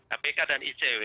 kpk dan icw